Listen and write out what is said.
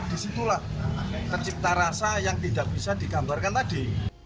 disitulah tercipta rasa yang tidak bisa digambarkan tadi